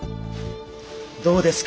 どうですか？